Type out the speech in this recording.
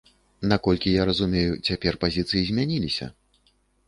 Наколькі я разумею, цяпер пазіцыі змяніліся?